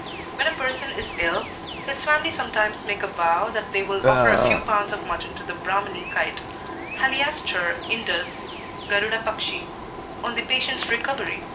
When a person is ill, his family sometimes make a vow that they will ofter a few pounds of mutton to the Braahmani kite (Haliastur indus, Garuda pakshi) on the patient's recovery.